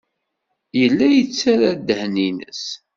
Yella yettarra ddehn-nnes.